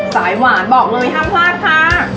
สายหวานบอกเลยห้ามพลาดค่ะ